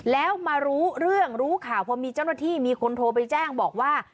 แล้วมารู้เรื่องรู้ข่าวพอมีเจ้าหน้าที่มีคนโทรไปแจ้งบอกว่า